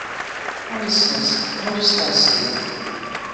Com licença, onde está a saída?